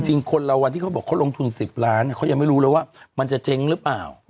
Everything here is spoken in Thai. คนเราวันที่เขาบอกเขาลงทุน๑๐ล้านเขายังไม่รู้เลยว่ามันจะเจ๊งหรือเปล่า